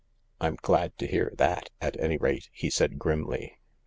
" I'm glad to hear that, at any rate," he said grimly.